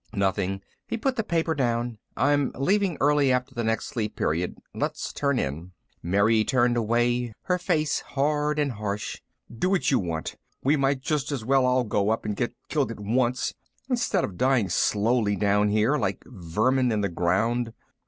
"Nothing." He put the paper down. "I'm leaving early after the next Sleep Period. Let's turn in." Mary turned away, her face hard and harsh. "Do what you want. We might just as well all go up and get killed at once, instead of dying slowly down here, like vermin in the ground."